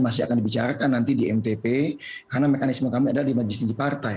masih akan dibicarakan nanti di mtp karena mekanisme kami adalah di majelis tinggi partai